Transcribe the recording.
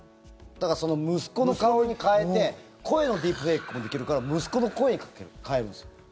だから、息子の顔に変えて声のディープフェイクもできるから息子の声に変えるんですよ。